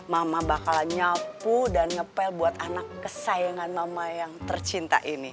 mama bakal nyapu dan ngepel buat anak kesayangan mama yang tercinta ini